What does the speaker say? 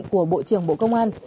của bộ trưởng bộ công an